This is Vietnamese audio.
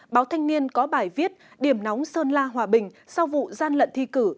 báo thanh niên có bài viết điểm nóng sơn la hòa bình sau vụ gian lận thi cử